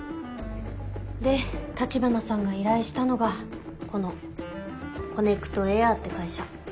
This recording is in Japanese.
で立花さんが依頼したのがこのコネクトエアって会社。